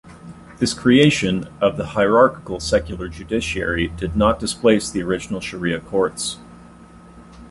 This creation of the hierarchical secular judiciary did not displace the original Shari'a courts.